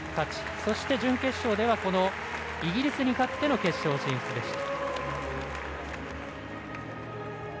そして、準決勝ではイギリスに勝っての決勝進出でした。